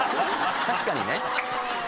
確かにね。